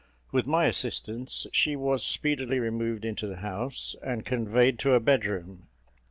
With my assistance, she was speedily removed into the house, and conveyed to a bedroom.